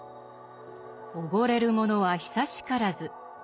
「おごれるものは久しからず」。